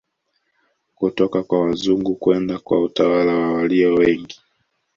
Kutoka kwa wazungu kwenda kwa utawala wa walio wengi